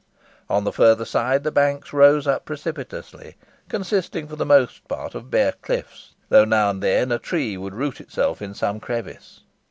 On the further side the banks rose up precipitously, consisting for the most part of bare cliffs, though now and then a tree would root itself in some crevice.